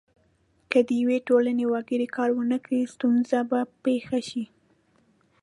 که د یوې ټولنې وګړي کار ونه کړي ستونزه به پیښه شي.